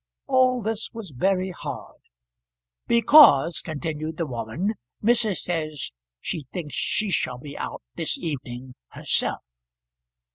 All this was very hard! "Because," continued the woman, "missus says she thinks she shall be out this evening herself."